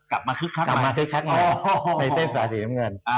กลับมาคึกคักแล้วในเตรียมสายสีน้ำเงิน